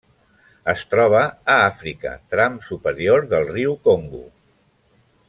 Es troba a Àfrica: tram superior del riu Congo.